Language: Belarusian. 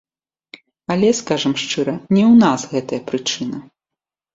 Але, скажам шчыра, не ў нас гэтая прычына.